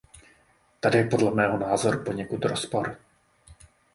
Tady je podle mého názoru poněkud rozpor.